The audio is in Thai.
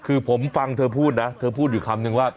คือผมฟังเธอพูดนะเธอพูดอยู่คำนึงว่า